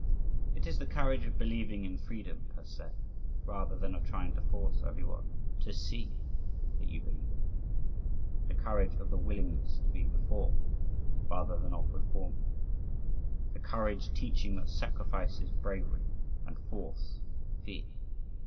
It is the courage of believing in freedom, per se, rather than of trying to force everyone to SEE that you believe in it the courage of the willingness to be reformed, rather than of reforming the courage teaching that sacrifice is bravery, and force, fear.